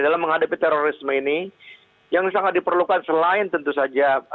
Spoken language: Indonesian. dalam menghadapi terorisme ini yang sangat diperlukan selain tentu saja